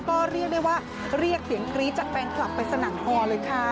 ก็เรียกได้ว่าเรียกเสียงกรี๊ดจากแฟนคลับไปสนั่นฮอเลยค่ะ